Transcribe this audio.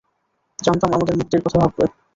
জানতাম, আমাদের মুক্তির কথা ভাববে।